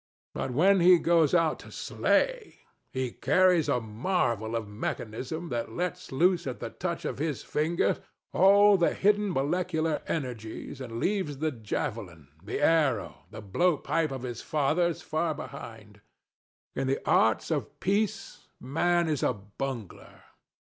But when he goes out to slay, he carries a marvel of mechanism that lets loose at the touch of his finger all the hidden molecular energies, and leaves the javelin, the arrow, the blowpipe of his fathers far behind. In the arts of peace Man is a bungler.